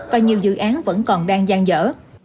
và nhiều dự án vẫn còn đang gian dở